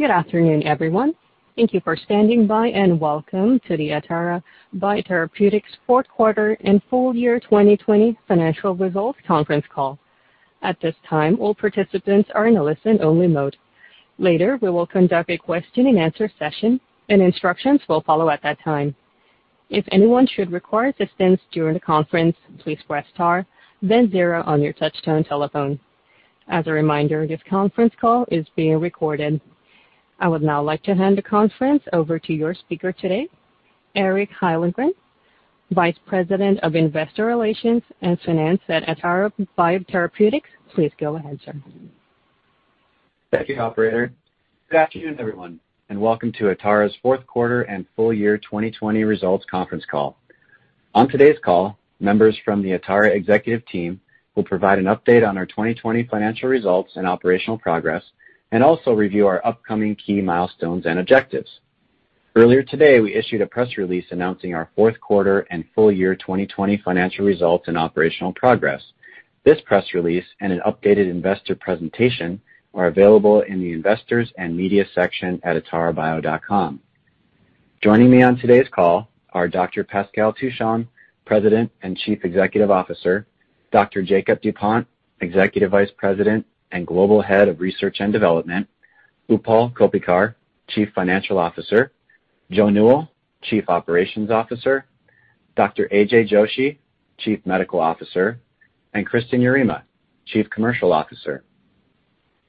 Good afternoon, everyone. Thank you for standing by, and welcome to the Atara Biotherapeutics fourth quarter and full year 2020 financial results conference call. As a reminder, this conference call is being recorded. I would now like to hand the conference over to your speaker today, Eric Hyllengren, Vice President of Investor Relations and Finance at Atara Biotherapeutics. Please go ahead, sir. Thank you, operator. Good afternoon, everyone, and welcome to Atara's fourth quarter and full year 2020 results conference call. On today's call, members from the Atara executive team will provide an update on our 2020 financial results and operational progress, and also review our upcoming key milestones and objectives. Earlier today, we issued a press release announcing our fourth quarter and full year 2020 financial results and operational progress. This press release and an updated investor presentation are available in the Investors and Media section at atarabio.com. Joining me on today's call are Dr. Pascal Touchon, President and Chief Executive Officer, Dr. Jakob Dupont, Executive Vice President and Global Head of Research and Development, Utpal Koppikar, Chief Financial Officer, Joe Newell, Chief Operations Officer, Dr. A.J. Joshi, Chief Medical Officer, and Kristin Yarema, Chief Commercial Officer.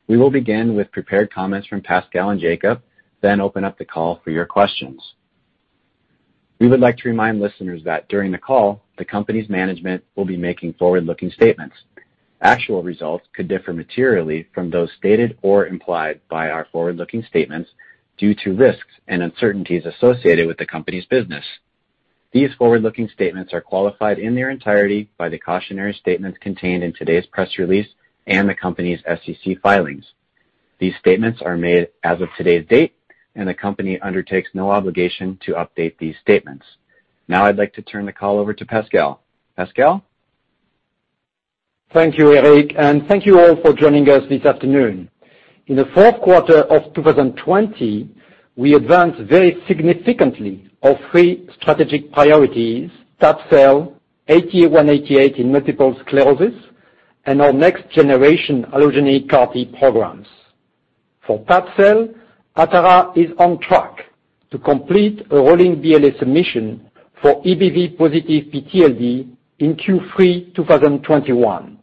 We will begin with prepared comments from Pascal and Jakob, then open up the call for your questions. We would like to remind listeners that during the call, the company's management will be making forward-looking statements. Actual results could differ materially from those stated or implied by our forward-looking statements due to risks and uncertainties associated with the company's business. These forward-looking statements are qualified in their entirety by the cautionary statements contained in today's press release and the company's SEC filings. These statements are made as of today's date, and the company undertakes no obligation to update these statements. Now I'd like to turn the call over to Pascal. Pascal? Thank you, Eric, and thank you all for joining us this afternoon. In the fourth quarter of 2020, we advanced very significantly our three strategic priorities, tab-cel, ATA188 in multiple sclerosis, and our next-generation allogeneic CAR-T programs. For tab-cel, Atara is on track to complete a rolling BLA submission for EBV-positive PTLD in Q3 2021.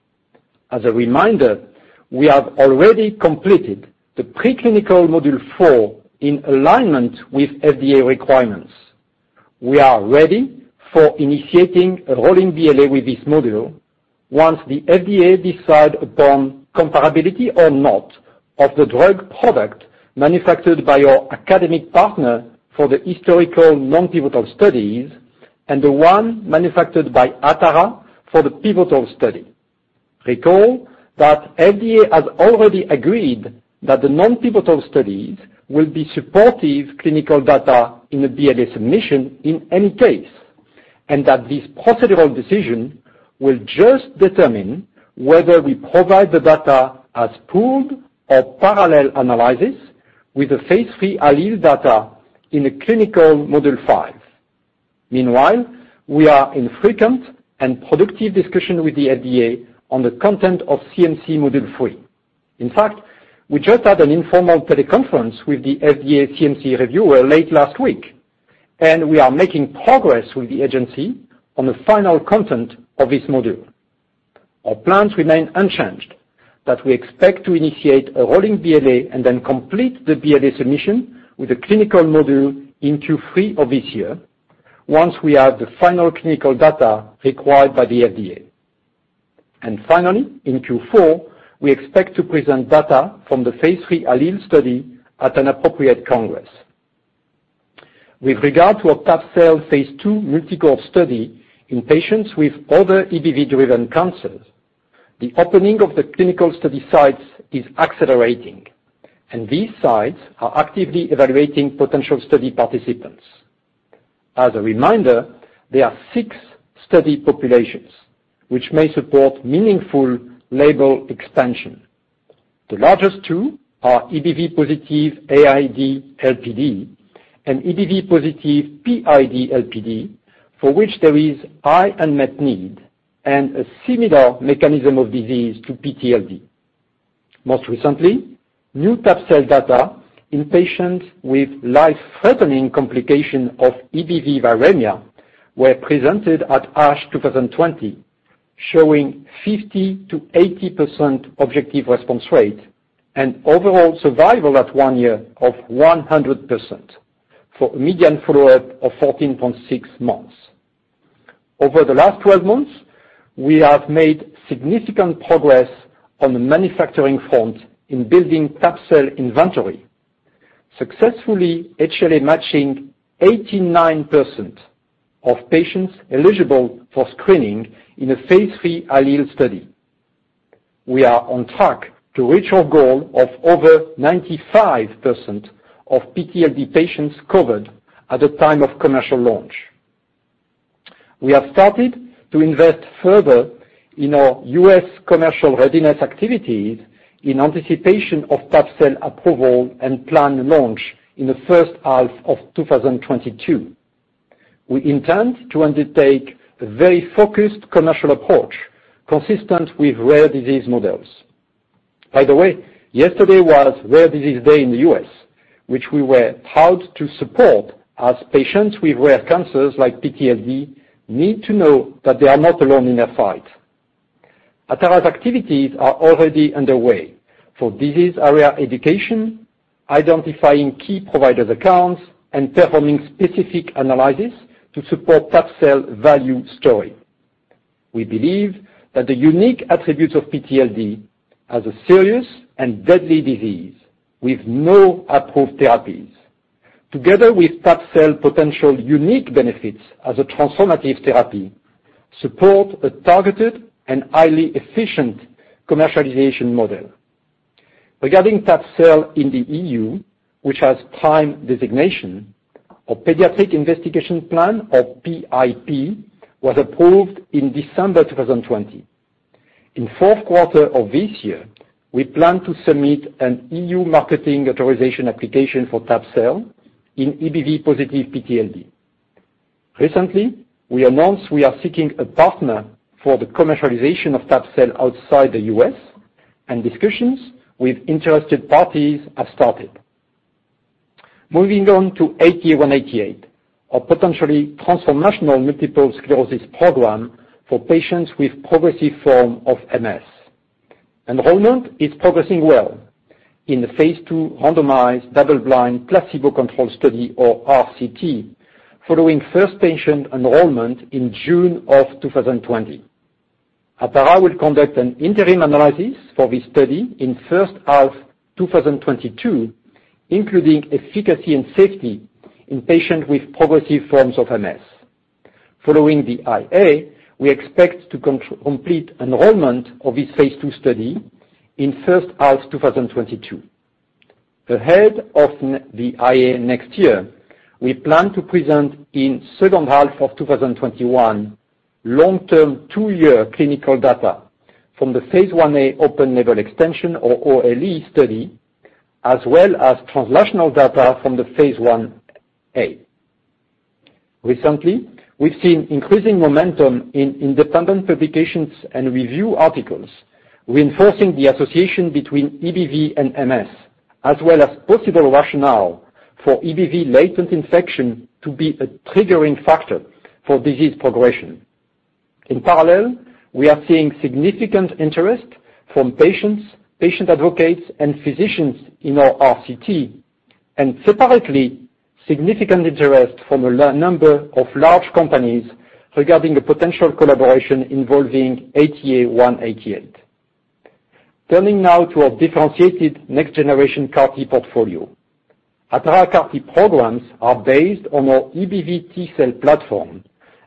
As a reminder, we have already completed the preclinical Module 4 in alignment with FDA requirements. We are ready for initiating a rolling BLA with this module once the FDA decide upon comparability or not of the drug product manufactured by our academic partner for the historical non-pivotal studies and the one manufactured by Atara for the pivotal study. Recall that FDA has already agreed that the non-pivotal studies will be supportive clinical data in a BLA submission in any case, and that this procedural decision will just determine whether we provide the data as pooled or parallel analysis with the phase III ALLELE data in a clinical Module 5. We are in frequent and productive discussion with the FDA on the content of CMC Module 3. We just had an informal teleconference with the FDA CMC reviewer late last week, and we are making progress with the agency on the final content of this module. Our plans remain unchanged, that we expect to initiate a rolling BLA and then complete the BLA submission with a clinical module in Q3 of this year once we have the final clinical data required by the FDA. Finally, in Q4, we expect to present data from the phase III ALLELE study at an appropriate congress. With regard to our tabelecleucel phase II multi-cohort study in patients with other EBV-driven cancers, the opening of the clinical study sites is accelerating, these sites are actively evaluating potential study participants. As a reminder, there are six study populations, which may support meaningful label expansion. The largest two are EBV-positive AID-LPD and EBV-positive PID-LPD, for which there is high unmet need and a similar mechanism of disease to PTLD. Most recently, new tabelecleucel data in patients with life-threatening complication of EBV viremia were presented at ASH 2020, showing 50%-80% objective response rate and overall survival at one year of 100% for a median follow-up of 14.6 months. Over the last 12 months, we have made significant progress on the manufacturing front in building tab-cel inventory, successfully HLA-matching 89% of patients eligible for screening in a phase III ALLELE study. We are on track to reach our goal of over 95% of PTLD patients covered at the time of commercial launch. We have started to invest further in our U.S. commercial readiness activities in anticipation of tab-cel approval and planned launch in the first half of 2022. We intend to undertake a very focused commercial approach consistent with rare disease models. By the way, yesterday was Rare Disease Day in the U.S., which we were proud to support, as patients with rare cancers like PTLD need to know that they are not alone in their fight. Atara's activities are already underway for disease area education, identifying key provider accounts, and performing specific analysis to support tab-cel value story. We believe that the unique attributes of PTLD as a serious and deadly disease with no approved therapies, together with tab-cel potential unique benefits as a transformative therapy, support a targeted and highly efficient commercialization model. Regarding tab-cel in the EU, which has PRIME designation, a pediatric investigation plan, or PIP, was approved in December 2020. In fourth quarter of this year, we plan to submit an EU marketing authorization application for tab-cel in EBV positive PTLD. Recently, we announced we are seeking a partner for the commercialization of tab-cel outside the U.S., and discussions with interested parties have started. Moving on to ATA188, a potentially transformational multiple sclerosis program for patients with progressive form of MS. Enrollment is progressing well in the phase II randomized double-blind placebo-controlled study, or RCT, following first patient enrollment in June of 2020. Atara will conduct an interim analysis for this study in first half 2022, including efficacy and safety in patients with progressive forms of MS. Following the IA, we expect to complete enrollment of this phase II study in first half 2022. Ahead of the IA next year, we plan to present in second half of 2021 long-term two-year clinical data from the phase I-A open-label extension, or OLE study, as well as translational data from the phase I-A. Recently, we've seen increasing momentum in independent publications and review articles reinforcing the association between EBV and MS, as well as possible rationale for EBV latent infection to be a triggering factor for disease progression. In parallel, we are seeing significant interest from patients, patient advocates, and physicians in our RCT, and separately, significant interest from a number of large companies regarding a potential collaboration involving ATA 188. Turning now to our differentiated next generation CAR-T portfolio. Atara CAR-T programs are based on our EBV T-cell platform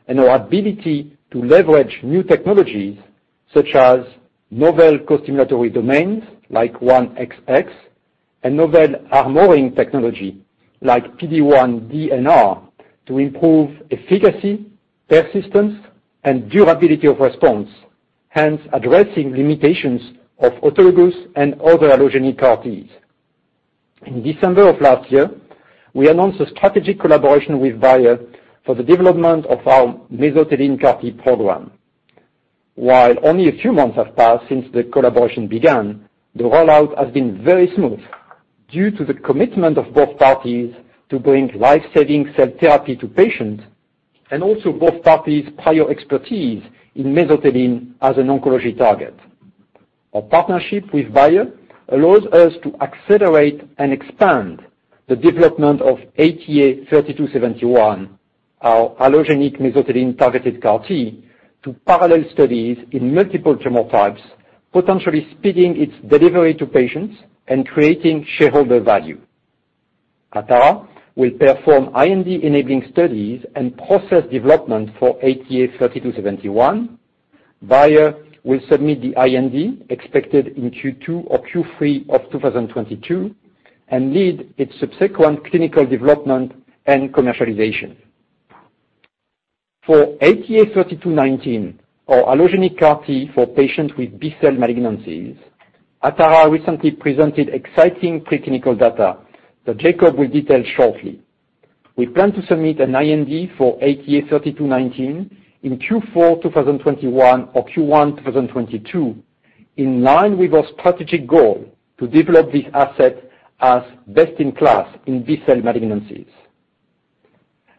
and our ability to leverage new technologies such as novel costimulatory domains like 1XX, and novel armoring technology like PD-1 DNR to improve efficacy, persistence, and durability of response, hence addressing limitations of autologous and other allogeneic CAR-Ts. In December of last year, we announced a strategic collaboration with Bayer for the development of our mesothelin CAR-T program. While only a few months have passed since the collaboration began, the rollout has been very smooth due to the commitment of both parties to bring life-saving cell therapy to patients, and also both parties' prior expertise in mesothelin as an oncology target. Our partnership with Bayer allows us to accelerate and expand the development of ATA3271, our allogeneic mesothelin-targeted CAR-T to parallel studies in multiple tumor types, potentially speeding its delivery to patients and creating shareholder value. Atara will perform IND-enabling studies and process development for ATA3271. Bayer will submit the IND, expected in Q2 or Q3 of 2022, and lead its subsequent clinical development and commercialization. For ATA3219, our allogeneic CAR-T for patients with B-cell malignancies, Atara recently presented exciting preclinical data that Jakob will detail shortly. We plan to submit an IND for ATA3219 in Q4 2021 or Q1 2022, in line with our strategic goal to develop this asset as best-in-class in B-cell malignancies.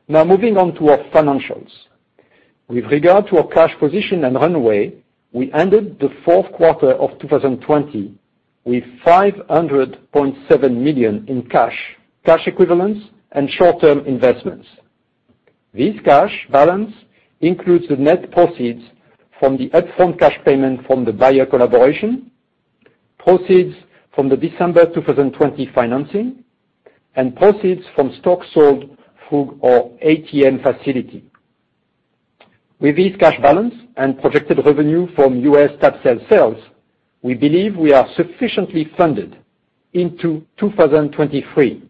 Moving on to our financials. With regard to our cash position and runway, we ended the fourth quarter of 2020 with $500.7 million in cash equivalents, and short-term investments. This cash balance includes the net proceeds from the upfront cash payment from the Bayer collaboration, proceeds from the December 2020 financing, and proceeds from stock sold through our ATM facility. With this cash balance and projected revenue from US tab-cel sales, we believe we are sufficiently funded into 2023,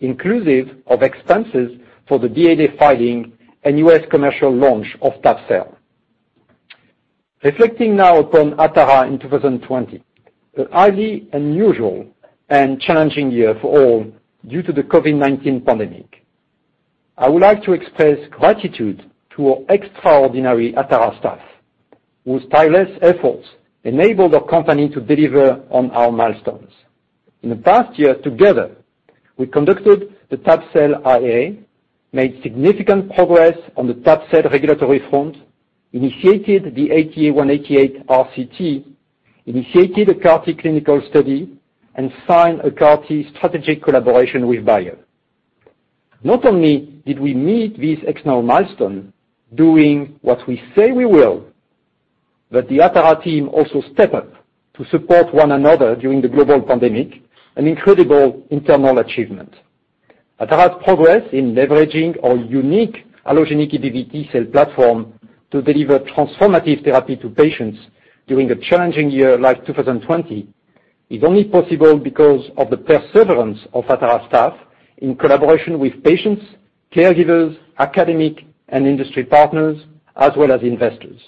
inclusive of expenses for the BLA filing and US commercial launch of tab-cel. Reflecting upon Atara in 2020, a highly unusual and challenging year for all due to the COVID-19 pandemic. I would like to express gratitude to our extraordinary Atara staff, whose tireless efforts enabled our company to deliver on our milestones. In the past year, together, we conducted the tab-cel IA, made significant progress on the tab-cel regulatory front, initiated the ATA188 RCT, initiated a CAR-T clinical study, and signed a CAR-T strategic collaboration with Bayer. Not only did we meet these external milestones doing what we say we will, but the Atara team also stepped up to support one another during the global pandemic, an incredible internal achievement. Atara's progress in leveraging our unique allogeneic EBV T-cell platform to deliver transformative therapy to patients during a challenging year like 2020 is only possible because of the perseverance of Atara staff in collaboration with patients, caregivers, academic, and industry partners, as well as investors.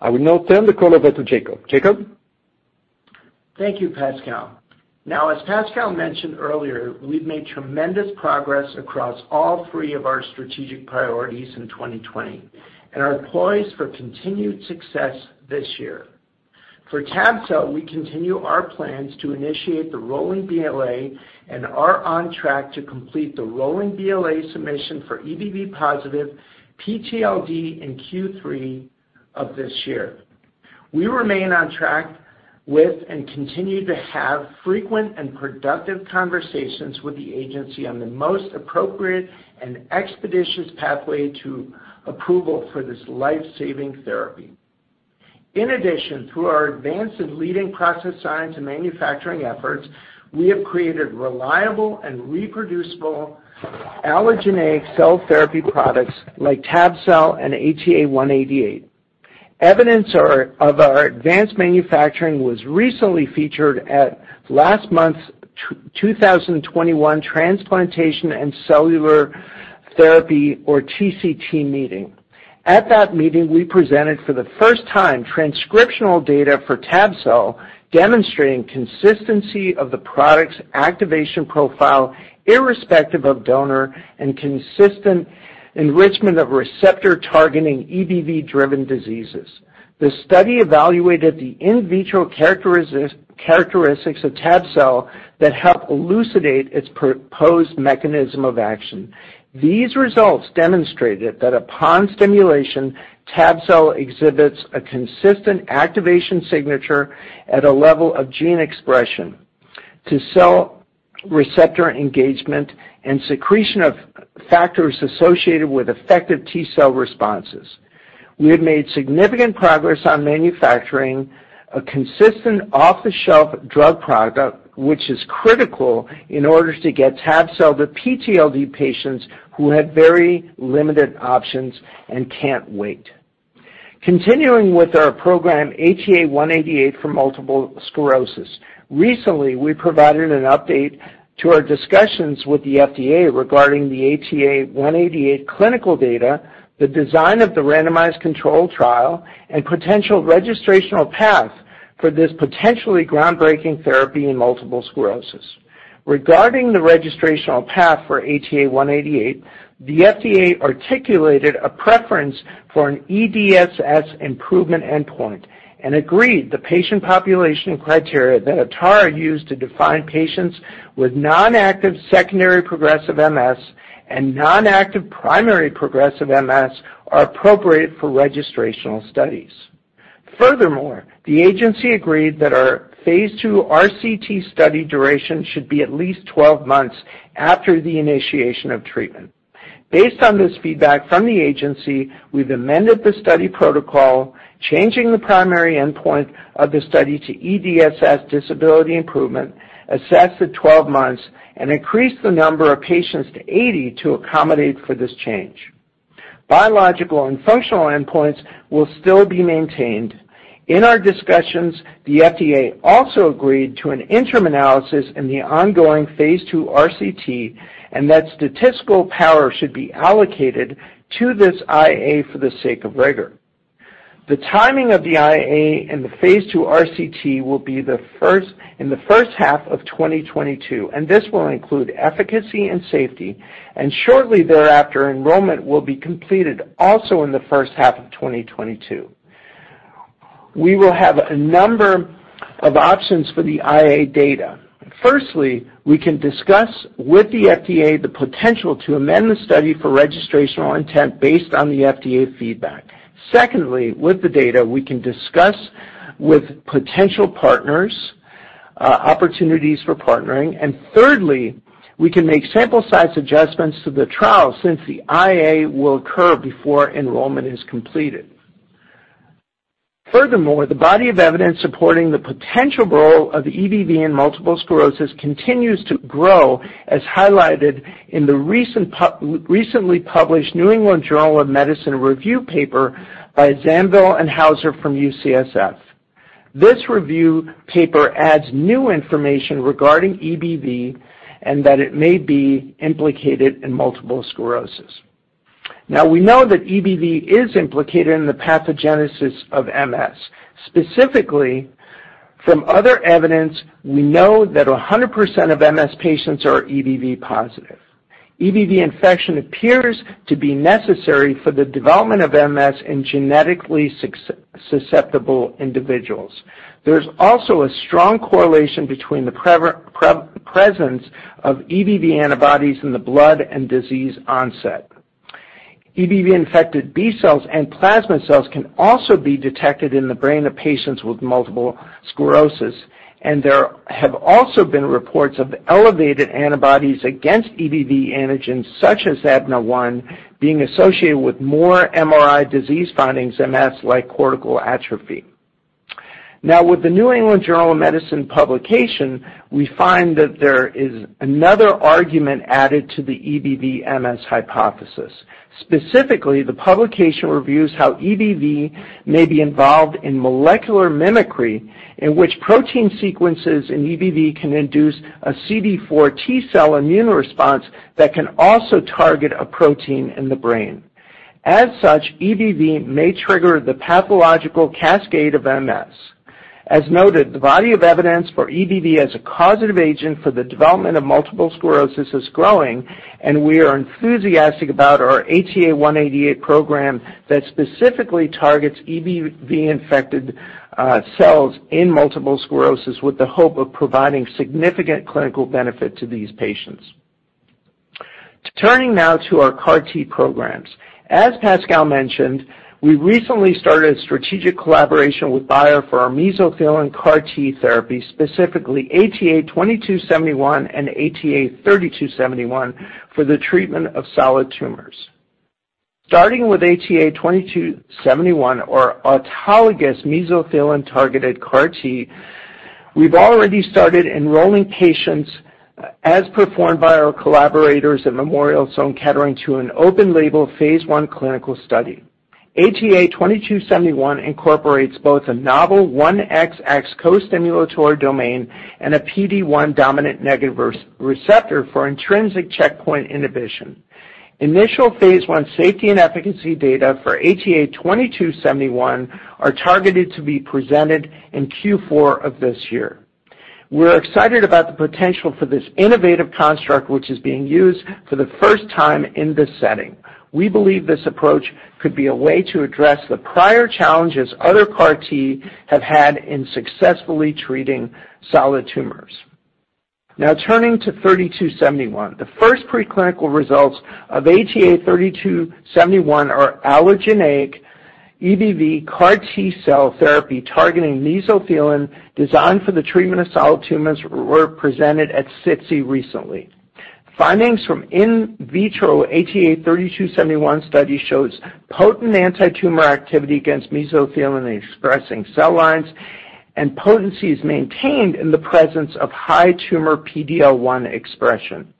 I will now turn the call over to Jakob. Jakob? Thank you, Pascal. Now, as Pascal mentioned earlier, we've made tremendous progress across all three of our strategic priorities in 2020 and are poised for continued success this year. For tab-cel, we continue our plans to initiate the rolling BLA and are on track to complete the rolling BLA submission for EBV positive PTLD in Q3 of this year. We remain on track with and continue to have frequent and productive conversations with the agency on the most appropriate and expeditious pathway to approval for this life-saving therapy. In addition, through our advanced and leading process science and manufacturing efforts, we have created reliable and reproducible allogeneic cell therapy products like tab-cel and ATA188. Evidence of our advanced manufacturing was recently featured at last month's 2021 Transplantation and Cellular Therapy or TCT meeting. At that meeting, we presented for the first time transcriptional data for Tab-cel, demonstrating consistency of the product's activation profile irrespective of donor and consistent enrichment of receptor targeting EBV-driven diseases. The study evaluated the in vitro characteristics of Tab-cel that help elucidate its proposed mechanism of action. These results demonstrated that upon stimulation, Tab-cel exhibits a consistent activation signature at a level of gene expression to cell receptor engagement and secretion of factors associated with effective T-cell responses. We have made significant progress on manufacturing a consistent off-the-shelf drug product, which is critical in order to get Tab-cel to PTLD patients who have very limited options and can't wait. Continuing with our program, ATA188 for multiple sclerosis. Recently, we provided an update to our discussions with the FDA regarding the ATA188 clinical data, the design of the randomized control trial, and potential registrational path for this potentially groundbreaking therapy in multiple sclerosis. Regarding the registrational path for ATA188, the FDA articulated a preference for an EDSS improvement endpoint and agreed the patient population criteria that Atara used to define patients with non-active secondary progressive MS and non-active primary progressive MS are appropriate for registrational studies. The agency agreed that our phase II RCT study duration should be at least 12 months after the initiation of treatment. Based on this feedback from the agency, we've amended the study protocol, changing the primary endpoint of the study to EDSS disability improvement assessed at 12 months and increased the number of patients to 80 to accommodate for this change. Biological and functional endpoints will still be maintained. In our discussions, the FDA also agreed to an interim analysis in the ongoing phase II RCT. That statistical power should be allocated to this IA for the sake of rigor. The timing of the IA and the phase II RCT will be in the first half of 2022. This will include efficacy and safety. Shortly thereafter, enrollment will be completed also in the first half of 2022. We will have a number of options for the IA data. Firstly, we can discuss with the FDA the potential to amend the study for registrational intent based on the FDA feedback. Secondly, with the data, we can discuss with potential partners, opportunities for partnering. Thirdly, we can make sample size adjustments to the trial since the IA will occur before enrollment is completed. Furthermore, the body of evidence supporting the potential role of EBV in multiple sclerosis continues to grow, as highlighted in The New England Journal of Medicine review paper by Zamvil and Hauser from UCSF. This review paper adds new information regarding EBV, and that it may be implicated in multiple sclerosis. Now, we know that EBV is implicated in the pathogenesis of MS. Specifically, from other evidence, we know that 100% of MS patients are EBV positive. EBV infection appears to be necessary for the development of MS in genetically susceptible individuals. There's also a strong correlation between the presence of EBV antibodies in the blood and disease onset. EBV-infected B cells and plasma cells can also be detected in the brain of patients with multiple sclerosis. There have also been reports of elevated antibodies against EBV antigens such as EBNA1 being associated with more MRI disease findings, MS-like cortical atrophy. With The New England Journal of Medicine publication, we find that there is another argument added to the EBV MS hypothesis. The publication reviews how EBV may be involved in molecular mimicry, in which protein sequences in EBV can induce a CD4 T-cell immune response that can also target a protein in the brain. EBV may trigger the pathological cascade of MS. As noted, the body of evidence for EBV as a causative agent for the development of multiple sclerosis is growing, and we are enthusiastic about our ATA188 program that specifically targets EBV-infected cells in multiple sclerosis with the hope of providing significant clinical benefit to these patients. Turning now to our CAR T programs. As Pascal mentioned, we recently started a strategic collaboration with Bayer for our mesothelin CAR T therapy, specifically ATA2271 and ATA3271 for the treatment of solid tumors. Starting with ATA2271 or autologous mesothelin-targeted CAR T, we've already started enrolling patients as performed by our collaborators at Memorial Sloan Kettering to an open-label phase I clinical study. ATA2271 incorporates both a novel 1XX co-stimulatory domain and a PD-1 dominant negative receptor for intrinsic checkpoint inhibition. Initial phase I safety and efficacy data for ATA2271 are targeted to be presented in Q4 of this year. We're excited about the potential for this innovative construct, which is being used for the first time in this setting. We believe this approach could be a way to address the prior challenges other CAR-T have had in successfully treating solid tumors. Turning to 3271, the first preclinical results of ATA3271 our allogeneic EBV CAR-T cell therapy targeting mesothelin designed for the treatment of solid tumors were presented at SITC recently. Findings from in vitro ATA3271 study shows potent antitumor activity against mesothelin in expressing cell lines, potency is maintained in the presence of high-tumor PD-L1 expression.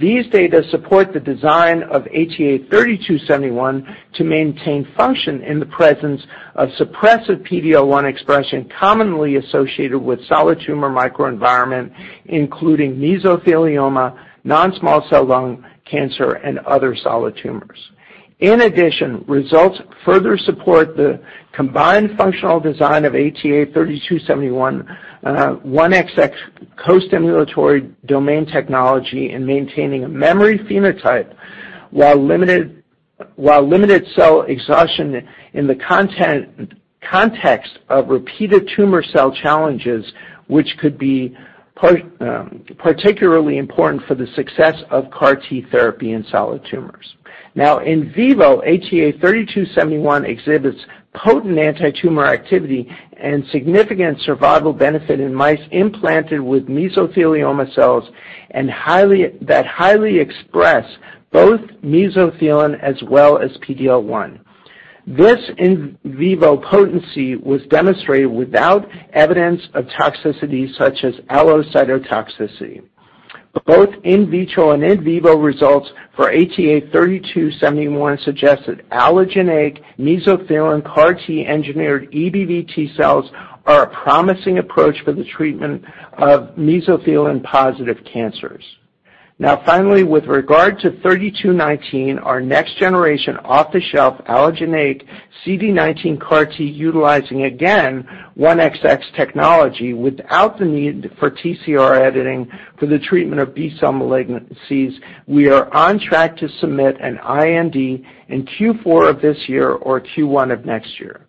These data support the design of ATA3271 to maintain function in the presence of suppressive PD-L1 expression commonly associated with solid tumor microenvironment, including mesothelioma, non-small cell lung cancer, and other solid tumors. In addition, results further support the combined functional design of ATA3271 1XX costimulatory domain technology in maintaining a memory phenotype while limited cell exhaustion in the context of repeated tumor cell challenges, which could be particularly important for the success of CAR-T therapy in solid tumors. Now in vivo, ATA3271 exhibits potent antitumor activity and significant survival benefit in mice implanted with mesothelioma cells that highly express both mesothelin as well as PD-L1. This in vivo potency was demonstrated without evidence of toxicity such as allotoxicity. Both in vitro and in vivo results for ATA3271 suggest that allogeneic mesothelin CAR T engineered EBV T cells are a promising approach for the treatment of mesothelin-positive cancers. Finally, with regard to 3219, our next generation off-the-shelf allogeneic CD19 CAR T utilizing again 1XX technology without the need for TCR editing for the treatment of B-cell malignancies, we are on track to submit an IND in Q4 of this year or Q1 of next year.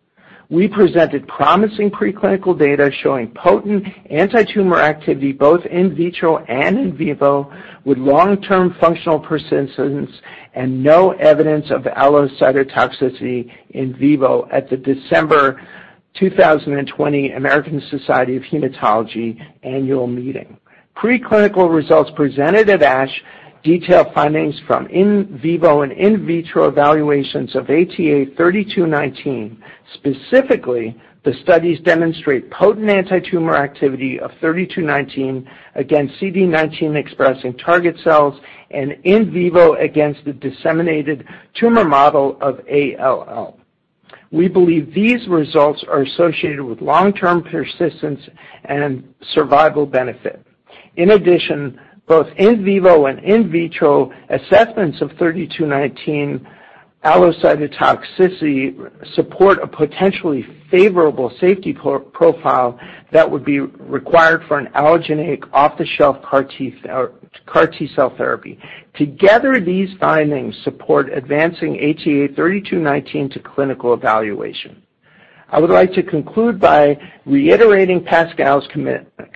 We presented promising preclinical data showing potent antitumor activity both in vitro and in vivo with long-term functional persistence and no evidence of allotoxicity in vivo at the December 2020 American Society of Hematology annual meeting. Preclinical results presented at ASH detailed findings from in vivo and in vitro evaluations of ATA3219. Specifically, the studies demonstrate potent antitumor activity of ATA3219 against CD19-expressing target cells and in vivo against the disseminated tumor model of ALL. We believe these results are associated with long-term persistence and survival benefit. In addition, both in vivo and in vitro assessments of ATA3219 allotoxicity support a potentially favorable safety profile that would be required for an allogeneic off-the-shelf CAR T cell therapy. Together, these findings support advancing ATA3219 to clinical evaluation. I would like to conclude by reiterating Pascal's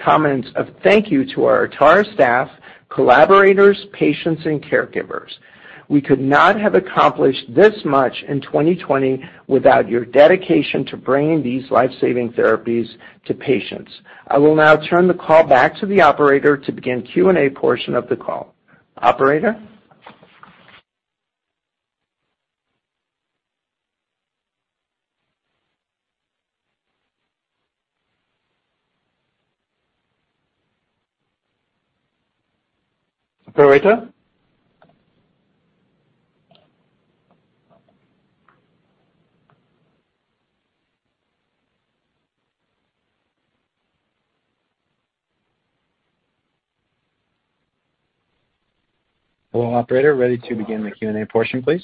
comments of thank you to our Atara staff, collaborators, patients, and caregivers. We could not have accomplished this much in 2020 without your dedication to bringing these life-saving therapies to patients. I will now turn the call back to the operator to begin Q&A portion of the call. Hello, operator. Ready to begin the Q&A portion, please.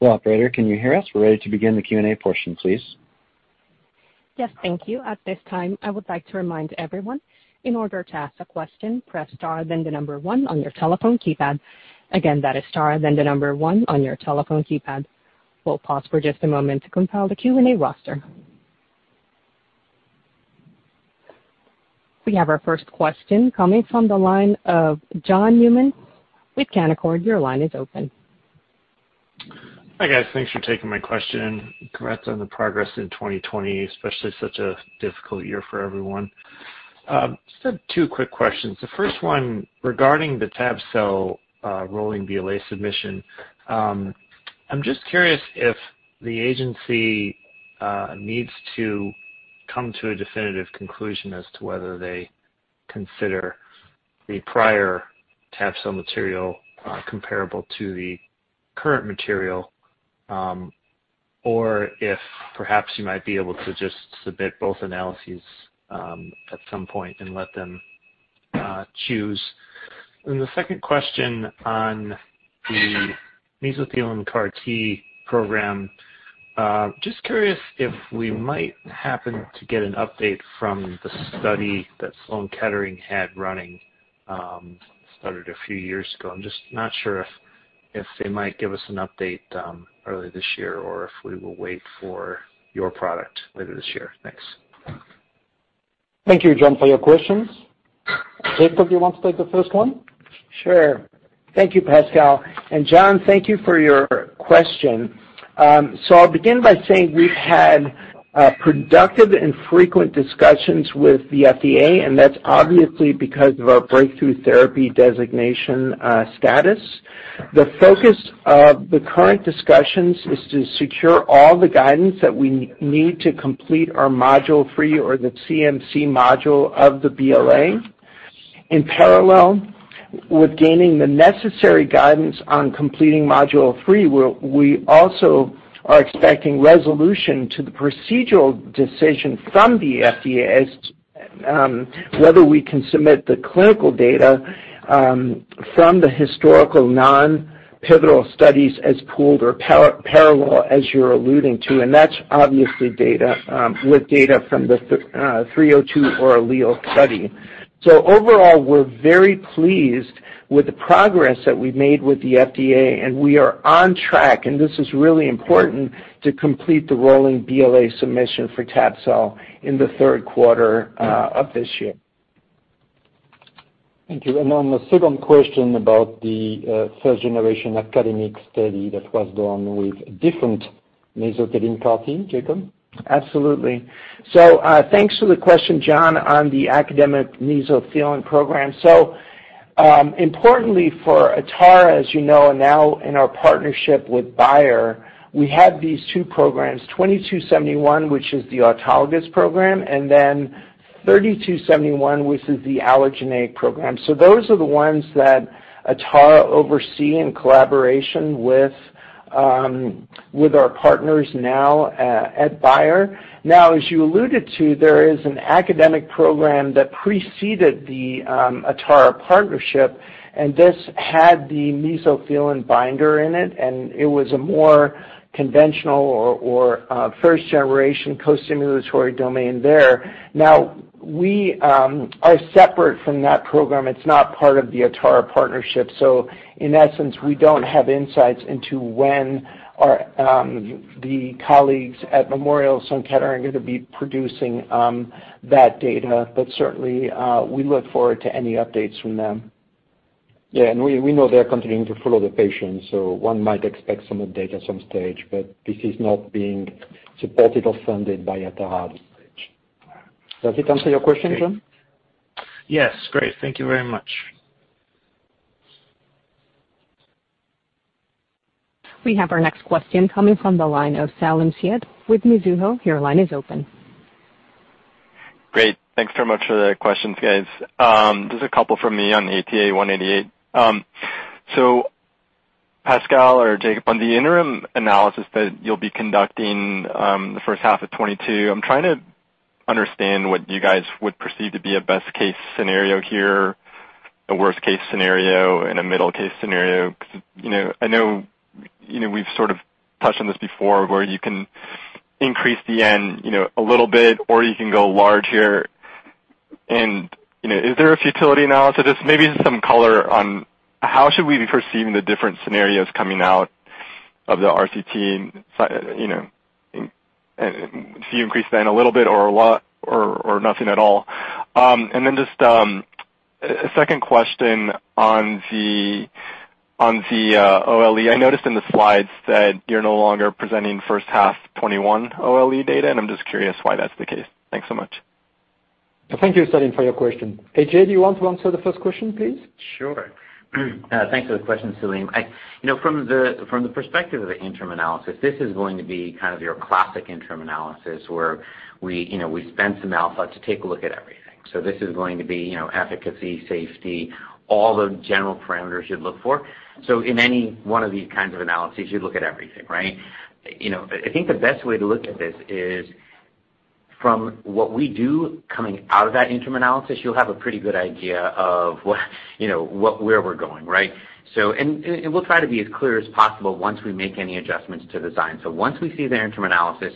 Hello, operator, can you hear us? We're ready to begin the Q&A portion, please. Yes, thank you. We have our first question coming from the line of John Newman with Canaccord. Your line is open. Hi, guys. Thanks for taking my question. Congrats on the progress in 2020, especially such a difficult year for everyone. Just have two quick questions. The first one regarding the tab-cel rolling BLA submission. I'm just curious if the agency needs to come to a definitive conclusion as to whether they consider the prior tab-cel material comparable to the current material, or if perhaps you might be able to just submit both analyses at some point and let them choose. The second question on the mesothelin CAR T program. Just curious if we might happen to get an update from the study that Sloan Kettering had running, started a few years ago. I'm just not sure if they might give us an update early this year or if we will wait for your product later this year. Thanks. Thank you, John, for your questions. Jakob, do you want to take the first one? Sure. Thank you, Pascal. John, thank you for your question. I'll begin by saying we've had productive and frequent discussions with the FDA, and that's obviously because of our breakthrough therapy designation status. The focus of the current discussions is to secure all the guidance that we need to complete our Module 3 or the CMC Module 3 of the BLA. In parallel with gaining the necessary guidance on completing Module 3, we also are expecting resolution to the procedural decision from the FDA as to whether we can submit the clinical data from the historical non-pivotal studies as pooled or parallel as you're alluding to, and that's obviously with data from the 302 or ALLELE study. Overall, we're very pleased with the progress that we've made with the FDA, and we are on track, and this is really important to complete the rolling BLA submission for tab-cel in the third quarter of this year. Thank you. On the second question about the first-generation academic study that was done with a different mesothelin CAR-T, Jakob? Absolutely. Thanks for the question, John, on the academic mesothelin program. Importantly for Atara, as you know now in our partnership with Bayer, we have these two programs, 2271, which is the autologous program, and then 3271, which is the allogeneic program. Those are the ones that Atara oversee in collaboration with our partners now at Bayer. As you alluded to, there is an academic program that preceded the Atara partnership, and this had the mesothelin binder in it, and it was a more conventional or first-generation co-stimulatory domain there. We are separate from that program. It's not part of the Atara partnership, in essence, we don't have insights into when the colleagues at Memorial Sloan Kettering are going to be producing that data. Certainly, we look forward to any updates from them. Yeah, and we know they are continuing to follow the patients, so one might expect some update at some stage, but this is not being supported or funded by Atara at this stage. Does it answer your question, John? Yes. Great. Thank you very much. We have our next question coming from the line of Salim Syed with Mizuho. Your line is open. Great. Thanks very much for the questions, guys. Just a couple from me on ATA188. Pascal or Jakob, on the interim analysis that you'll be conducting, the first half of 2022, I'm trying to understand what you guys would perceive to be a best-case scenario here, a worst-case scenario, and a middle-case scenario. I know we've sort of touched on this before where you can increase the n a little bit, or you can go large here and is there a futility analysis? Maybe just some color on how should we be perceiving the different scenarios coming out of the RCT, if you increase the n a little bit or a lot or nothing at all. Just a second question on the OLE. I noticed in the slides that you're no longer presenting first half 2021 OLE data. I'm just curious why that's the case. Thanks so much. Thank you, Salim, for your question. A.J., do you want to answer the first question, please? Sure. Thanks for the question, Salim. From the perspective of the interim analysis, this is going to be kind of your classic interim analysis where we spend some alpha to take a look at everything. This is going to be efficacy, safety, all the general parameters you'd look for. In any one of these kinds of analyses, you'd look at everything, right? I think the best way to look at this is from what we do coming out of that interim analysis, you'll have a pretty good idea of where we're going, right? We'll try to be as clear as possible once we make any adjustments to design. Once we see the interim analysis,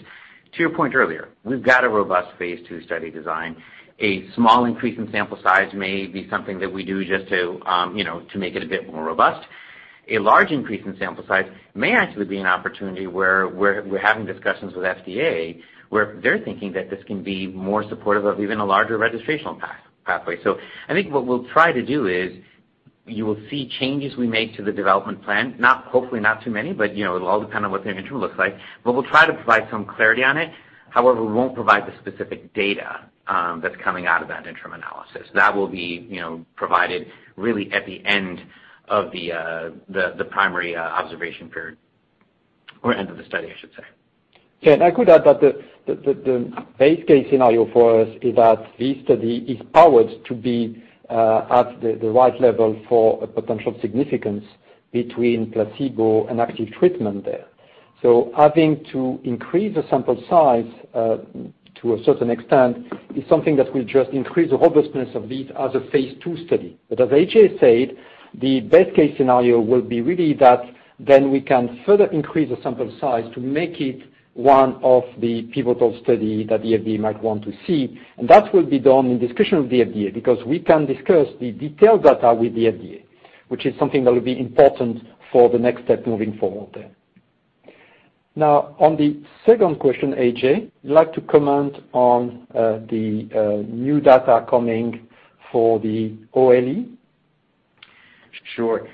to your point earlier, we've got a robust phase II study design. A small increase in sample size may be something that we do just to make it a bit more robust. A large increase in sample size may actually be an opportunity where we're having discussions with FDA, where they're thinking that this can be more supportive of even a larger registrational pathway. I think what we'll try to do is you will see changes we make to the development plan. Hopefully not too many, but it'll all depend on what the interim looks like. We'll try to provide some clarity on it. However, we won't provide the specific data that's coming out of that interim analysis. That will be provided really at the end of the primary observation period. End of the study, I should say. I could add that the base case scenario for us is that this study is powered to be at the right level for a potential significance between placebo and active treatment there. Having to increase the sample size, to a certain extent, is something that will just increase the robustness of this as a phase II study. As A.J. said, the best case scenario will be really that then we can further increase the sample size to make it one of the pivotal study that the FDA might want to see. That will be done in discussion with the FDA, because we can discuss the detailed data with the FDA, which is something that will be important for the next step moving forward there. On the second question, A.J., would you like to comment on the new data coming for the OLE? Sure.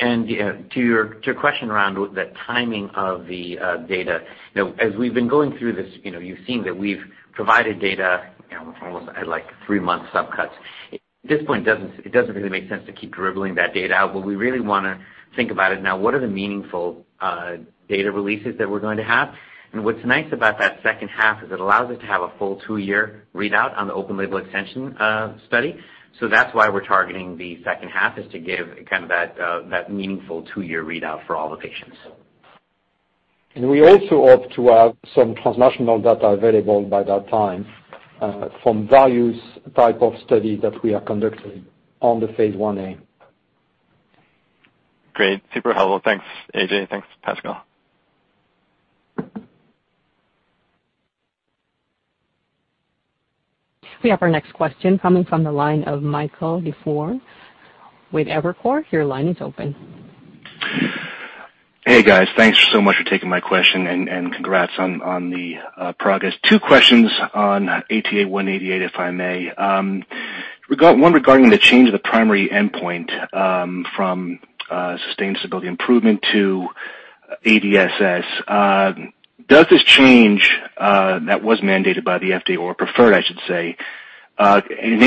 To your question around the timing of the data, as we've been going through this, you've seen that we've provided data almost at three-month sub-cuts. At this point, it doesn't really make sense to keep dribbling that data out, but we really want to think about it now. What are the meaningful data releases that we're going to have? What's nice about that second half is it allows us to have a full two-year readout on the open-label extension study. That's why we're targeting the second half, is to give kind of that meaningful two-year readout for all the patients. We also hope to have some translational data available by that time from values type of study that we are conducting on the phase I-A. Great. Super helpful. Thanks, A.J. Thanks, Pascal. We have our next question coming from the line of Michael Dufour with Evercore. Your line is open. Hey, guys. Thanks so much for taking my question, and congrats on the progress. Two questions on ATA188, if I may. One regarding the change of the primary endpoint from sustained disability improvement to EDSS. Does this change that was mandated by the FDA or preferred, I should say, in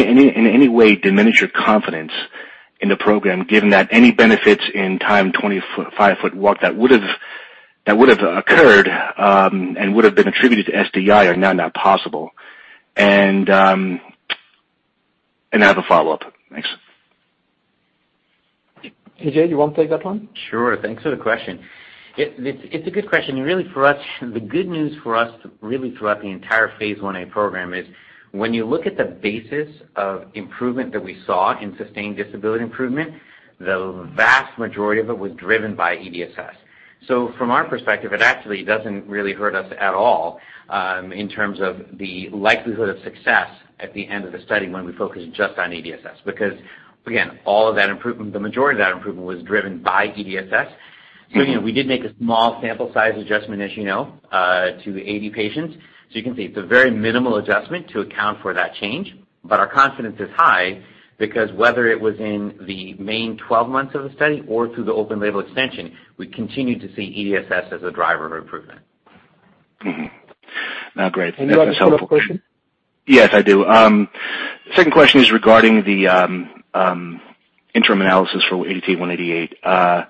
any way diminish your confidence in the program, given that any benefits in timed 25-foot walk that would have occurred, and would've been attributed to SDI are now not possible? I have a follow-up. Thanks. A.J., you want to take that one? Sure. Thanks for the question. It's a good question. Really for us, the good news for us really throughout the entire phase I-A program is when you look at the basis of improvement that we saw in sustained disability improvement, the vast majority of it was driven by EDSS. From our perspective, it actually doesn't really hurt us at all in terms of the likelihood of success at the end of the study when we focus just on EDSS. Because again, all of that improvement, the majority of that improvement was driven by EDSS. We did make a small sample size adjustment, as you know, to 80 patients. You can see it's a very minimal adjustment to account for that change. Our confidence is high because whether it was in the main 12 months of the study or through the open-label extension, we continue to see EDSS as a driver of improvement. Mm-hmm. No, great. That was helpful. Any other follow-up question? Yes, I do. Second question is regarding the interim analysis for ATA188.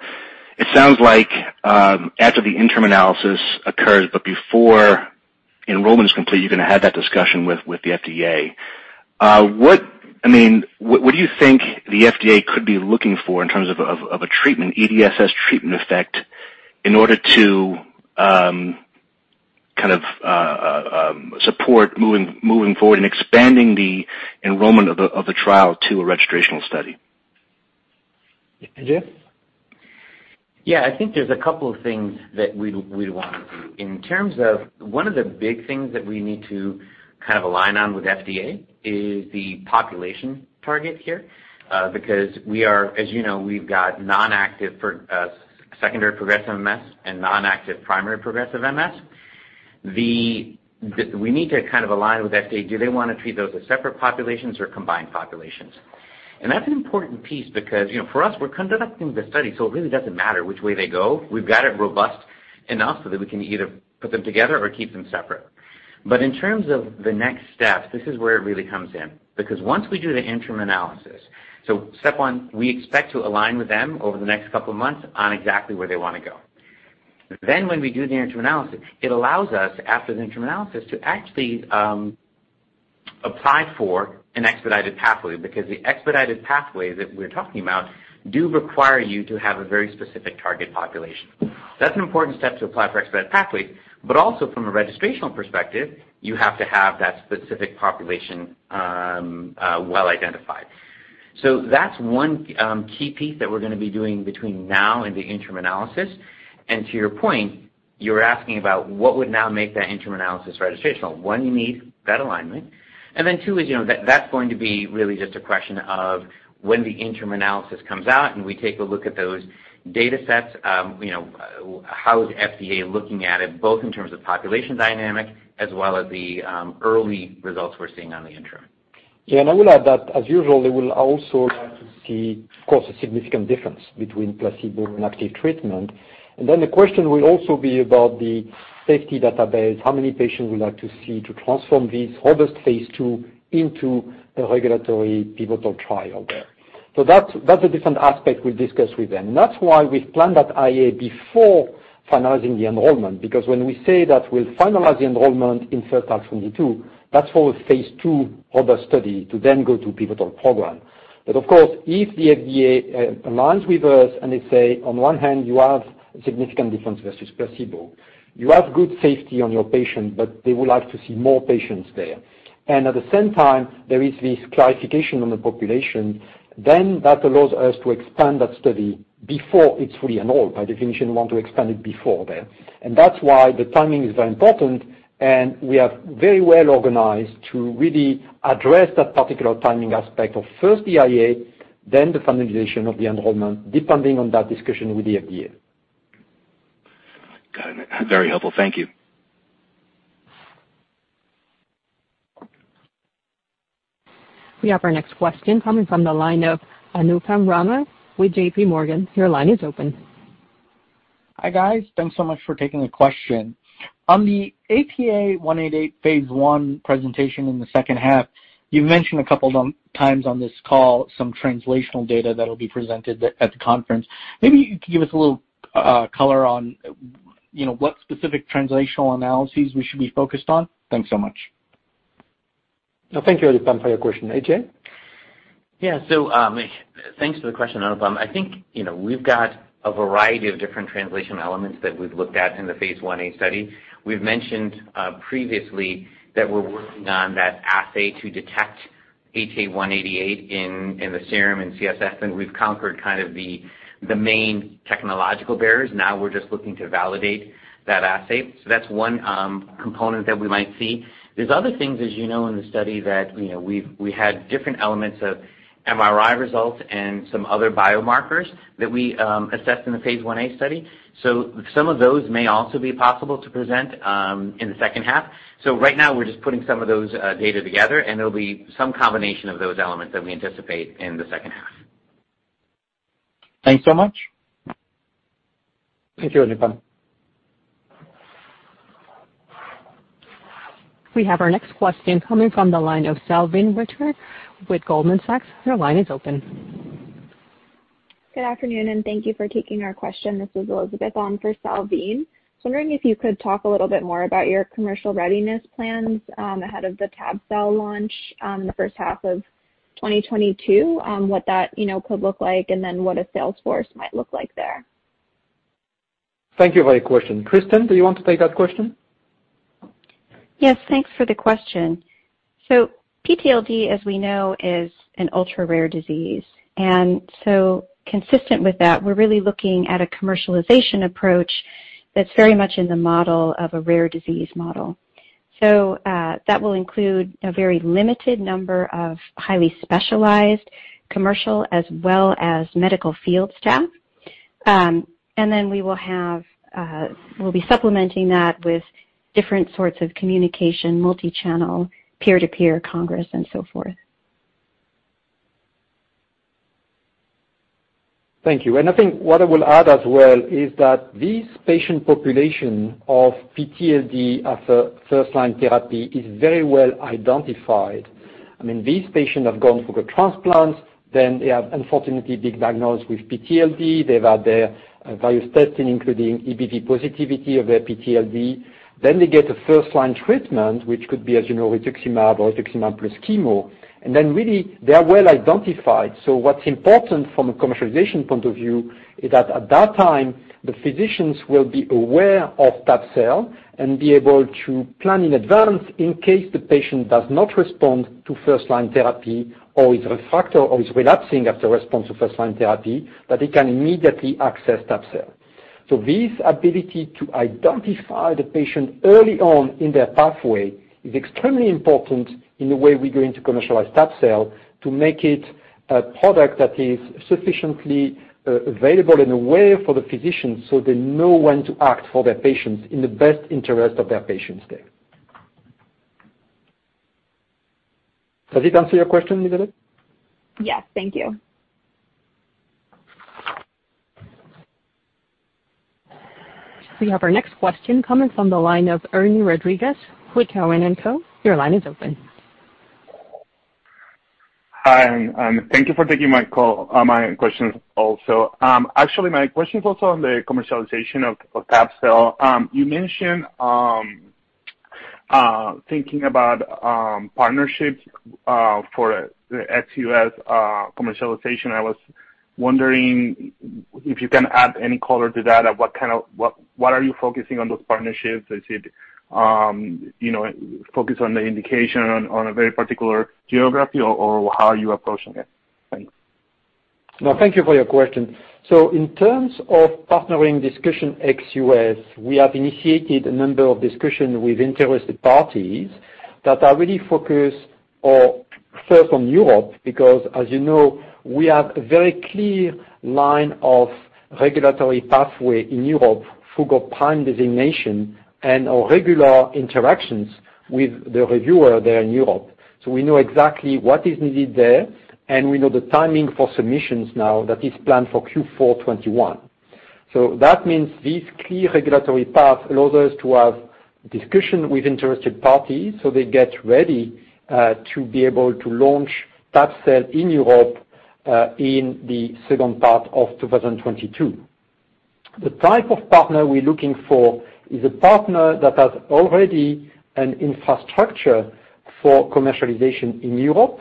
It sounds like after the interim analysis occurs, but before enrollment is complete, you're going to have that discussion with the FDA. What do you think the FDA could be looking for in terms of a treatment, EDSS treatment effect, in order to support moving forward and expanding the enrollment of the trial to a registrational study? A.J.? I think there's a couple of things that we'd want to do. In terms of one of the big things that we need to align on with FDA is the population target here. We are, as you know, we've got non-active secondary progressive MS and non-active primary progressive MS. We need to align with FDA. Do they want to treat those as separate populations or combined populations? That's an important piece because, for us, we're conducting the study, it really doesn't matter which way they go. We've got it robust enough so that we can either put them together or keep them separate. In terms of the next steps, this is where it really comes in. Once we do the interim analysis, step one, we expect to align with them over the next couple of months on exactly where they want to go. When we do the interim analysis, it allows us, after the interim analysis, to actually apply for an expedited pathway. Because the expedited pathways that we're talking about do require you to have a very specific target population. That's an important step to apply for expedited pathways, but also from a registrational perspective, you have to have that specific population well identified. That's one key piece that we're going to be doing between now and the interim analysis. To your point, you're asking about what would now make that interim analysis registrational. One, you need that alignment, and then two is, that's going to be really just a question of when the interim analysis comes out and we take a look at those data sets. How is FDA looking at it, both in terms of population dynamic as well as the early results we're seeing on the interim. I will add that as usual, they will also like to see, of course, a significant difference between placebo and active treatment. The question will also be about the safety database, how many patients we like to see to transform this other phase II into a regulatory pivotal trial there. That's a different aspect we discuss with them. That's why we planned that IA before finalizing the enrollment, because when we say that we'll finalize the enrollment in third quarter 2022, that's for phase II of the study to then go to pivotal program. Of course, if the FDA aligns with us and they say, on one hand, you have a significant difference versus placebo. You have good safety on your patient, but they would like to see more patients there. At the same time, there is this clarification on the population, then that allows us to expand that study before it's fully enrolled. By definition, we want to expand it before then. That's why the timing is very important, and we are very well organized to really address that particular timing aspect of first the IA, then the finalization of the enrollment, depending on that discussion with the FDA. Got it. Very helpful. Thank you. We have our next question coming from the line of Anupam Rama with JPMorgan. Your line is open. Hi, guys. Thanks so much for taking the question. On the ATA188 phase I presentation in the second half, you've mentioned a couple times on this call some translational data that'll be presented at the conference. Maybe you could give us a little color on what specific translational analyses we should be focused on. Thanks so much. Thank you, Anupam, for your question. A.J.? Thanks for the question, Anupam. I think we've got a variety of different translation elements that we've looked at in the Phase I-A study. We've mentioned previously that we're working on that assay to detect ATA188 in the serum and CSF, and we've conquered the main technological barriers. Now we're just looking to validate that assay. That's one component that we might see. There's other things, as you know, in the study that we had different elements of MRI results and some other biomarkers that we assessed in the Phase I-A study. Some of those may also be possible to present in the second half. Right now we're just putting some of those data together, and it'll be some combination of those elements that we anticipate in the second half. Thanks so much. Thank you, Anupam. We have our next question coming from the line of Salveen Richter with Goldman Sachs. Your line is open. Good afternoon. Thank you for taking our question. This is Elizabeth on for Salveen. Just wondering if you could talk a little bit more about your commercial readiness plans ahead of the tab-cel launch in the first half of 2022, what that could look like, and then what a sales force might look like there. Thank you for your question. Kristin, do you want to take that question? Yes, thanks for the question. PTLD, as we know, is an ultra-rare disease. Consistent with that, we're really looking at a commercialization approach that's very much in the model of a rare disease model. That will include a very limited number of highly specialized commercial as well as medical field staff. We'll be supplementing that with different sorts of communication, multi-channel, peer-to-peer congress and so forth. Thank you. I think what I will add as well is that this patient population of PTLD after first-line therapy is very well identified. These patients have gone through the transplants, then they have unfortunately been diagnosed with PTLD. They've had their various testing, including EBV positivity of their PTLD. They get a first-line treatment, which could be, as you know, rituximab or rituximab plus chemo. Really, they are well identified. What's important from a commercialization point of view is that at that time, the physicians will be aware of tab-cel and be able to plan in advance in case the patient does not respond to first-line therapy or is a factor or is relapsing after response to first-line therapy, that they can immediately access tab-cel. This ability to identify the patient early on in their pathway is extremely important in the way we're going to commercialize tab-cel to make it a product that is sufficiently available and aware for the physician so they know when to act for their patients in the best interest of their patients there. Does it answer your question, Elizabeth? Yes. Thank you. We have our next question coming from the line of Ernie Rodriguez with Cowen and Co. Your line is open. Hi, thank you for taking my call, my question also. Actually, my question is also on the commercialization of tab-cel. You mentioned thinking about partnerships for the ex-U.S. commercialization. I was wondering if you can add any color to that. What are you focusing on those partnerships? Is it focus on the indication on a very particular geography, or how are you approaching it? Thanks. No, thank you for your question. In terms of partnering discussion ex-U.S., we have initiated a number of discussions with interested parties that are really focused, first, on Europe, because as you know, we have a very clear line of regulatory pathway in Europe through PRIME designation and our regular interactions with the reviewer there in Europe. We know exactly what is needed there, and we know the timing for submissions now that is planned for Q4 2021. That means this clear regulatory path allows us to have discussion with interested parties so they get ready to be able to launch tab-cel in Europe, in the second part of 2022. The type of partner we're looking for is a partner that has already an infrastructure for commercialization in Europe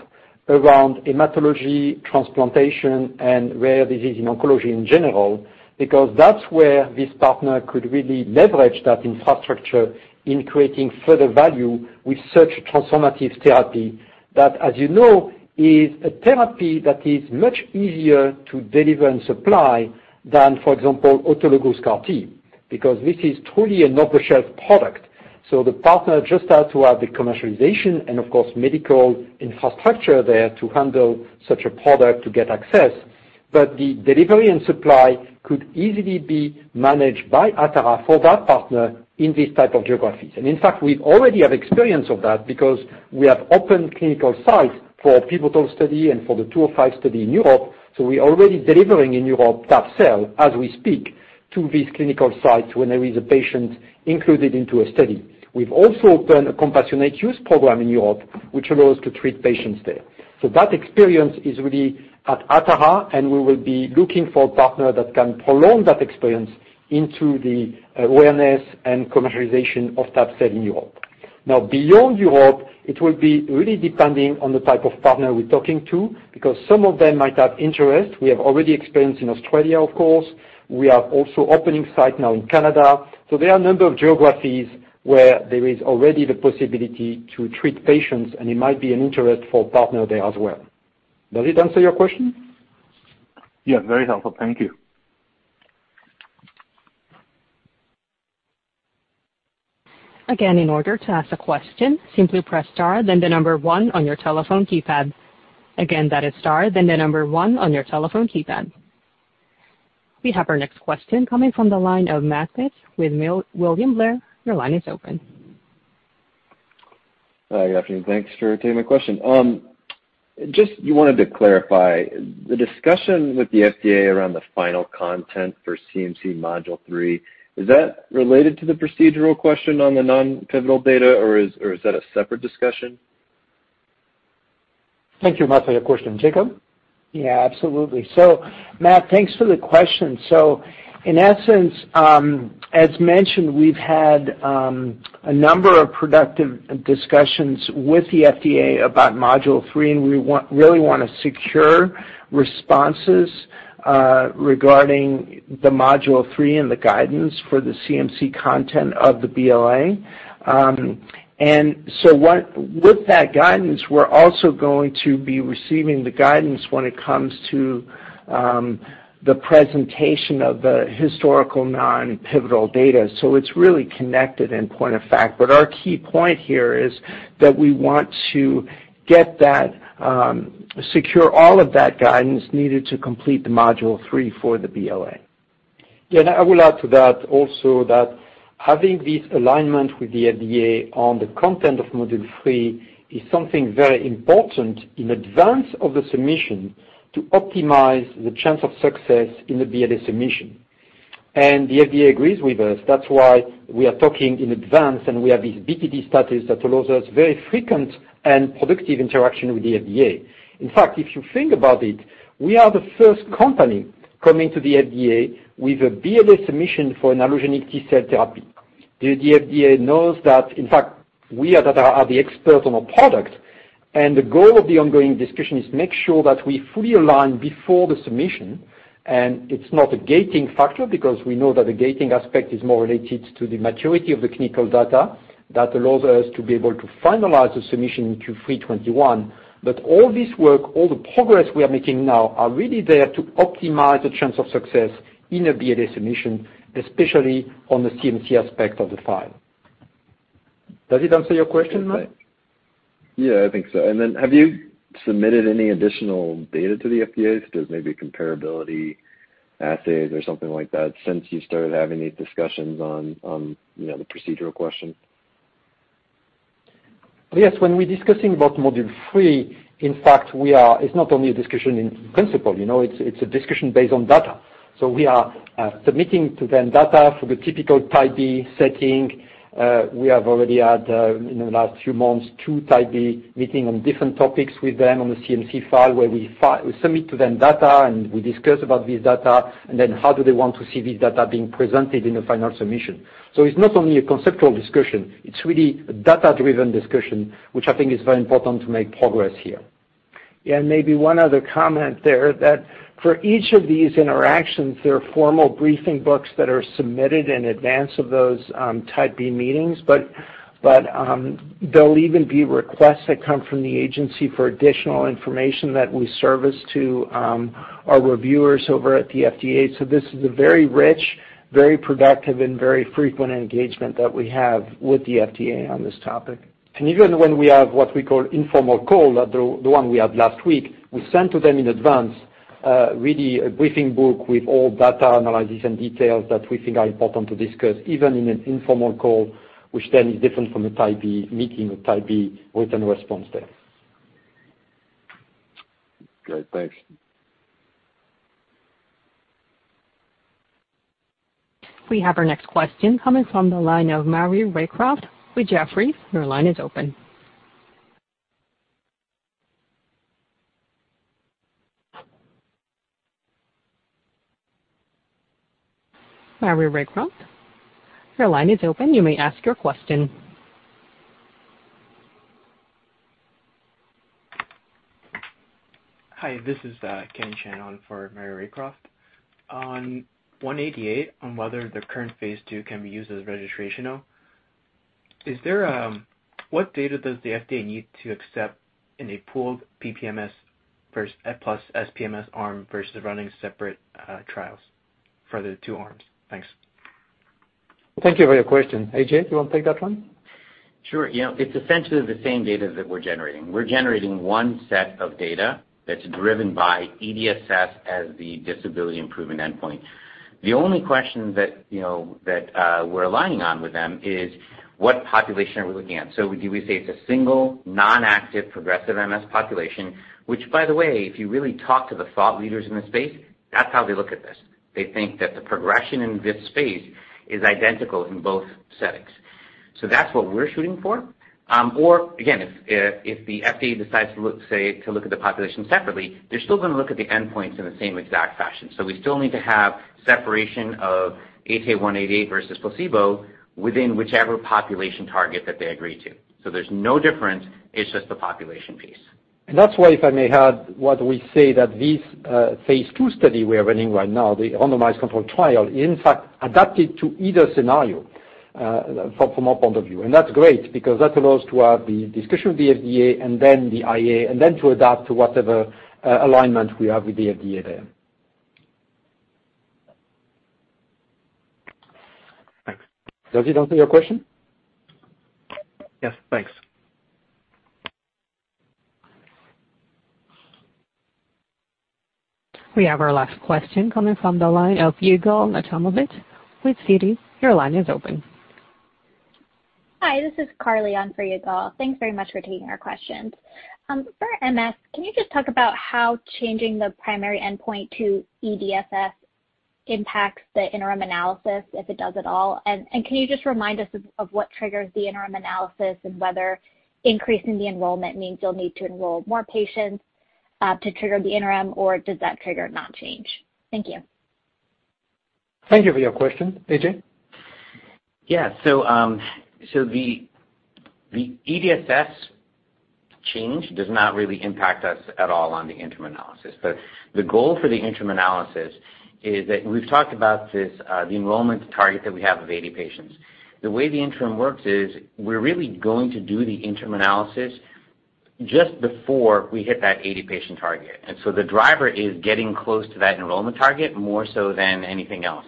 around hematology, transplantation, and rare disease in oncology in general, because that's where this partner could really leverage that infrastructure in creating further value with such a transformative therapy. That, as you know, is a therapy that is much easier to deliver and supply than, for example, autologous CAR T, because this is truly an off-the-shelf product. The partner just has to have the commercialization and, of course, medical infrastructure there to handle such a product to get access. The delivery and supply could easily be managed by Atara for that partner in these type of geographies. In fact, we already have experience of that because we have open clinical sites for pivotal study and for the 205 study in Europe. We're already delivering in Europe, tab-cel, as we speak, to these clinical sites whenever there is a patient included into a study. We've also opened a compassionate use program in Europe, which allows to treat patients there. That experience is really at Atara, and we will be looking for a partner that can prolong that experience into the awareness and commercialization of tab-cel in Europe. Beyond Europe, it will be really depending on the type of partner we're talking to, because some of them might have interest. We have already experience in Australia, of course. We are also opening site now in Canada. There are a number of geographies where there is already the possibility to treat patients, and it might be an interest for a partner there as well. Does it answer your question? Yes, very helpful. Thank you. Again, in order to ask a question, simply press star, then the number one on your telephone keypad. Again, that is star, then the number one on your telephone keypad. We have our next question coming from the line of Matthew with William Blair. Your line is open. Hi, good afternoon. Thanks for taking my question. I just wanted to clarify the discussion with the FDA around the final content for CMC Module 3. Is that related to the procedural question on the non-pivotal data, or is that a separate discussion? Thank you, Matthew, for your question. Jakob? Yeah, absolutely. Matt, thanks for the question. In essence, as mentioned, we've had a number of productive discussions with the FDA about Module 3, and we really want to secure responses Regarding the Module 3 and the guidance for the CMC content of the BLA. With that guidance, we're also going to be receiving the guidance when it comes to the presentation of the historical non-pivotal data. It's really connected in point of fact. Our key point here is that we want to secure all of that guidance needed to complete the Module 3 for the BLA. I will add to that also that having this alignment with the FDA on the content of Module 3 is something very important in advance of the submission to optimize the chance of success in the BLA submission. The FDA agrees with us. That's why we are talking in advance, and we have these BTD status that allows us very frequent and productive interaction with the FDA. In fact, if you think about it, we are the first company coming to the FDA with a BLA submission for an allogeneic T-cell therapy. The FDA knows that, in fact, we are the expert on our product. The goal of the ongoing discussion is to make sure that we fully align before the submission. It's not a gating factor because we know that the gating aspect is more related to the maturity of the clinical data that allows us to be able to finalize the submission into 321. All this work, all the progress we are making now, are really there to optimize the chance of success in a BLA submission, especially on the CMC aspect of the file. Does it answer your question, Mike? Yeah, I think so. Have you submitted any additional data to the FDA, such as maybe comparability assays or something like that since you started having these discussions on the procedural question? When we're discussing about Module 3, in fact, it's not only a discussion in principle. It's a discussion based on data. We are submitting to them data for the typical Type B setting. We have already had, in the last few months, two Type B meeting on different topics with them on the CMC file where we submit to them data, and we discuss about this data, and then how do they want to see this data being presented in the final submission. It's not only a conceptual discussion. It's really a data-driven discussion, which I think is very important to make progress here. Yeah, maybe one other comment there that for each of these interactions, there are formal briefing books that are submitted in advance of those Type B meetings. There'll even be requests that come from the agency for additional information that we service to our reviewers over at the FDA. This is a very rich, very productive, and very frequent engagement that we have with the FDA on this topic. Even when we have what we call informal call, like the one we had last week, we sent to them in advance really a briefing book with all data analysis and details that we think are important to discuss, even in an informal call, which then is different from a Type B meeting, a Type B written response there. Great. Thanks. We have our next question coming from the line of Maurice Raycroft with Jefferies. Hi. This is Ken Chan on for Maurice Raycroft. On ATA188 on whether the current phase II can be used as registrational, what data does the FDA need to accept in a pooled PPMS plus SPMS arm versus running separate trials for the two arms? Thanks. Thank you for your question. A.J., do you want to take that one? Sure. It's essentially the same data that we're generating. We're generating one set of data that's driven by EDSS as the disability improvement endpoint. The only question that we're aligning on with them is what population are we looking at. Do we say it's a single non-active progressive MS population? Which, by the way, if you really talk to the thought leaders in the space, that's how they look at this. They think that the progression in this phase is identical in both settings. That's what we're shooting for. Again, if the FDA decides to look at the population separately, they're still going to look at the endpoints in the same exact fashion. We still need to have separation of ATA188 versus placebo within whichever population target that they agree to. There's no difference. It's just the population piece. That's why, if I may add, what we say that this phase II study we are running right now, the randomized controlled trial, in fact, adapted to either scenario from our point of view. That's great because that allows to have the discussion with the FDA and then the IA, and then to adapt to whatever alignment we have with the FDA there. Thanks. Does it answer your question? Yes. Thanks. We have our last question coming from the line of Yigal Nochomovitz with Citi. Your line is open. Hi. This is Carly on for Yigal. Thanks very much for taking our questions. For MS, can you just talk about how changing the primary endpoint to EDSS impacts the interim analysis, if it does at all? Can you just remind us of what triggers the interim analysis and whether increasing the enrollment means you'll need to enroll more patients to trigger the interim, or does that trigger not change? Thank you. Thank you for your question. AJ? Yeah. The EDSS change does not really impact us at all on the interim analysis. The goal for the interim analysis is that we've talked about this, the enrollment target that we have of 80 patients. The way the interim works is we're really going to do the interim analysis just before we hit that 80 patient target. The driver is getting close to that enrollment target more so than anything else.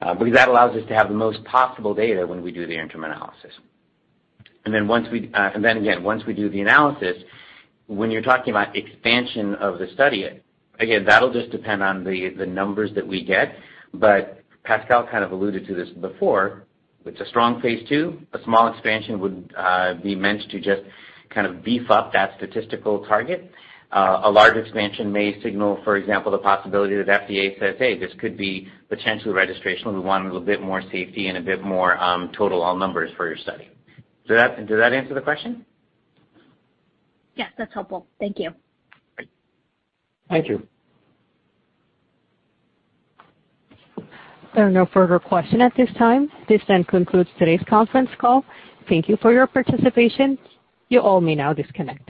Because that allows us to have the most possible data when we do the interim analysis. Again, once we do the analysis, when you're talking about expansion of the study, again, that'll just depend on the numbers that we get. Pascal kind of alluded to this before. With a strong phase II, a small expansion would be meant to just kind of beef up that statistical target. A large expansion may signal, for example, the possibility that FDA says, "Hey, this could be potentially registrational. We want a little bit more safety and a bit more total all numbers for your study." Does that answer the question? Yes, that's helpful. Thank you. Thank you. There are no further questions at this time. This concludes today's conference call. Thank you for your participation. You all may now disconnect.